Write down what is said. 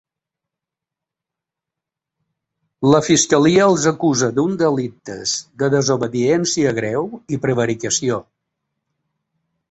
La fiscalia els acusa d’uns delictes de desobediència greu i prevaricació.